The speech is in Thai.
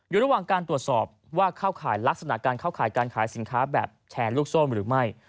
อยู่ระหว่างการตรวจสอบว่าเข้าข่ายลักษณะการเข้าข่ายการขายสินค้าแบบแชร์ลูกโซ่หรือไม่